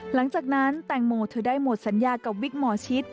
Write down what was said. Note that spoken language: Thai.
หลังจากนั้นแตงโมเธอได้หมดสัญญากับวิกหมอชิต